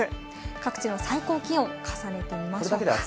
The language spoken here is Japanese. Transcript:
各地の最高気温、重ねてみましょう。